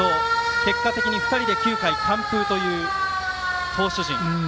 結果的に２人で９回完封という投手陣。